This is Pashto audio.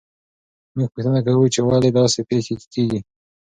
موږ پوښتنه کوو چې ولې داسې پېښې کیږي.